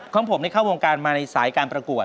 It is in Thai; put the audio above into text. ของผมเข้าวงการมาในสายการประกวด